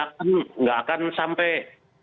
tidak akan sampai